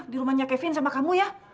dirumahnya kevin sama kamu ya